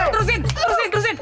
terusin terusin terusin